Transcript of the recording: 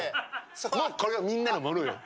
もうこれはみんなのものよっ！